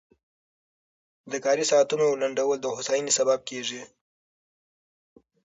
د کاري ساعتونو لنډول د هوساینې سبب کېږي.